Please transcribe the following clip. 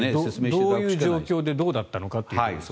どういう状況でどういうことだったのかと。